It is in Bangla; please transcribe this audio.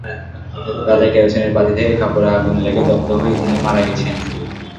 রাতে কেরোসিনের বাতি থেকে কাপড়ে আগুন লেগে দগ্ধ হয়ে তিনি মারা গেছেন।